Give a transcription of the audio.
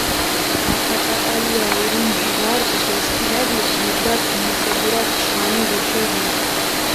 აკაკაკალია ორინჯი ვა რდჷ დოსქილადირ, მიდგაქ მუშობურათ ჟღამი ვეშეღუნ.